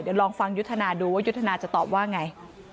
เดี๋ยวลองฟังยุทธนาดูว่ายุทธนาจะตอบว่าไง